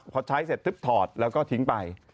พอใช้เสร็จทึบถอดแล้วก็ทิ้งไป